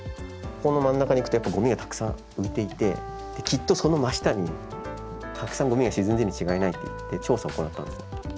ここの真ん中に行くとやっぱごみがたくさん浮いていてきっとその真下にたくさんごみが沈んでいるに違いないっていって調査を行ったんですよ。